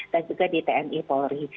dan juga di tni polri